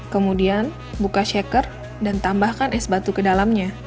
kemudian buka shaker dan tambahkan es batu ke dalamnya